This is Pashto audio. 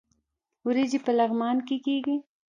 وریجې په لغمان کې کیږي